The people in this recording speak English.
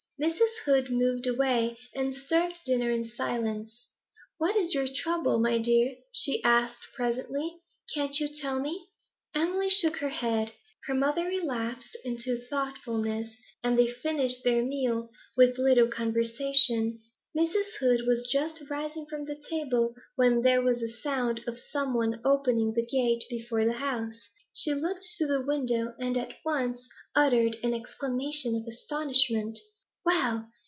Mrs. Hood moved away, and served the dinner in silence. 'What is your trouble, my dear?' she asked presently. 'Can't you tell me?' Emily shook her head. Her mother relapsed into thoughtfulness, and they finished their meal with little conversation. Mrs. Heed was just rising from the table, when there was a sound of some one opening the gate before the house; she looked to the window, and at once uttered an exclamation of astonishment. 'Well!